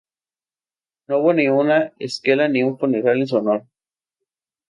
No hubo ni una esquela ni un funeral en su honor.